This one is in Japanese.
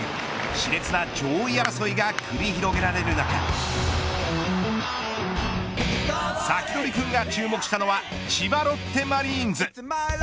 し烈な上位争いが繰り広げられる中サキドリくんが注目したのは千葉ロッテマリーンズ。